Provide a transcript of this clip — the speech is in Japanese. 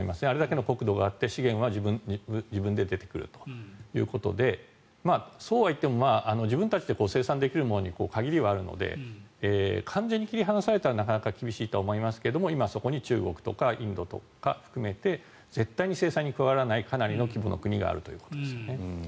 あれだけの国土があって資源は自分で出てくるということでそうはいっても自分たちで生産できるものに限りはあるので完全に切り離されたらなかなか厳しいとは思いますが今、そこに中国とかインドとか含めて絶対に制裁に加わらないかなりの規模の国があるということですね。